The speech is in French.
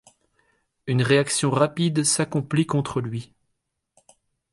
Une réaction rapide s'accomplit contre lui.